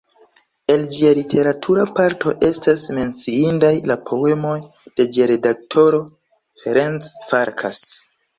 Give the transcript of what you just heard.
El ĝia literatura parto estas menciindaj la poemoj de ĝia redaktoro, Ferenc Farkas.